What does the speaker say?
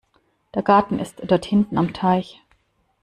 Der Garten ist dort hinten am Teich.